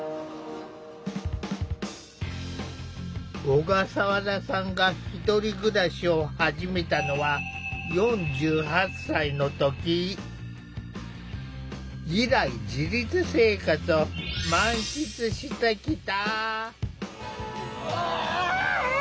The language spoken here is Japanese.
小笠原さんが１人暮らしを始めたのは以来自立生活を満喫してきた。